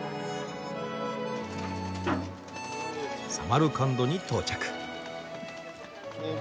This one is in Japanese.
サマルカンドに到着。